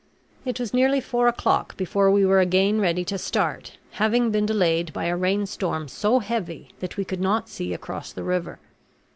It was nearly four o'clock before we were again ready to start, having been delayed by a rain storm so heavy that we could not see across the river.